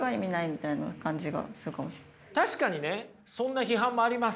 確かにねそんな批判もあります。